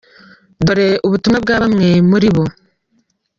Dore ubutumwa bwa bamwe muri bo:.